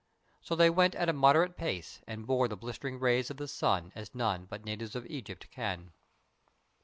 So they went at a moderate pace and bore the blistering rays of the sun as none but natives of Egypt can.